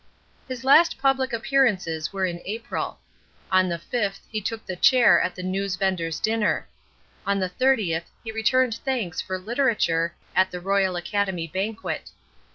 His last public appearances were in April. On the fifth he took the chair at the News venders' dinner. On the thirtieth he returned thanks for "Literature" at the Royal Academy banquet.